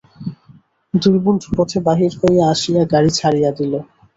দুই বন্ধু পথে বাহির হইয়া আসিয়া গাড়ি ছাড়িয়া দিল।